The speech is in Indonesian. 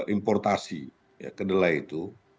importasi kedelai itu